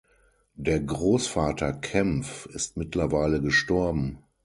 Der Großvater Kempf ist mittlerweile gestorben.